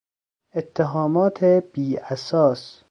اتهامات بی اساس